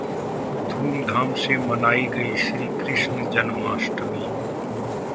धूमधाम से मनाई गई श्रीकृष्ण जन्माष्टमी